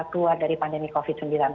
keluar dari pandemi covid sembilan belas